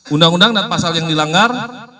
undang undang dan pasal yang dilanggar